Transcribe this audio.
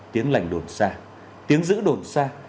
tiếng lạnh đồn xa tiếng giữ đồn xa